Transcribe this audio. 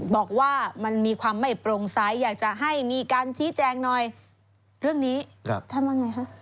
บอกว่ามันมีความไม่โปร่งใสอยากจะให้มีการชี้แจงหน่อยเรื่องนี้ท่านว่าไงคะ